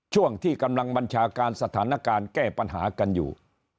ช่วงที่กำลังบัญชาการสถานการณ์แก้ปัญหากันอยู่